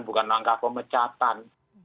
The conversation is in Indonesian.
bukan langkah pemecatan